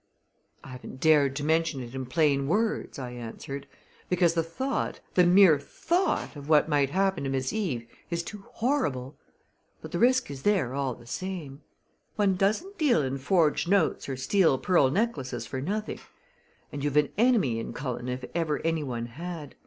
"I haven't dared to mention it in plain words," I answered, "because the thought, the mere thought, of what might happen to Miss Eve is too horrible! But the risk is there all the time. One doesn't deal in forged notes or steal pearl necklaces for nothing; and you've an enemy in Cullen if ever any one had.